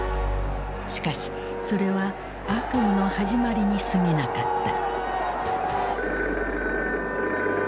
しかしそれは悪夢の始まりにすぎなかった。